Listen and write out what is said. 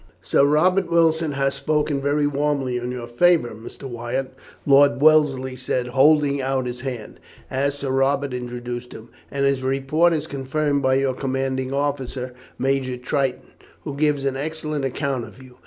"Sir Robert Wilson has spoken very warmly in your favour, Mr. Wyatt," Lord Wellesley said, holding out his hand, as Sir Robert introduced him, "and his report is confirmed by your commanding officer, Major Tritton, who gives an excellent account of you.